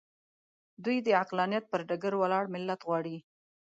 دوی د عقلانیت پر ډګر ولاړ ملت غواړي.